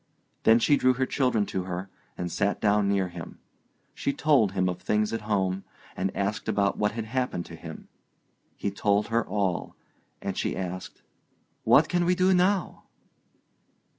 Then she drew her children to her, and sat down near him. She told him of things at home, and asked about what had happened to him. He told her all, and she asked, "What can we do now?"